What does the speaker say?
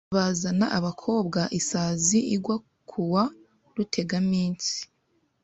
Bazana abakobwa isazi igwa kuwa Rutegaminsi